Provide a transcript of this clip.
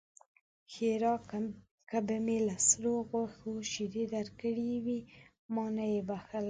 ښېرا: که به مې له سرو غوښو شيدې درکړې وي؛ ما نه يې بښلی.